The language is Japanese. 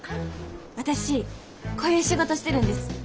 私こういう仕事してるんです。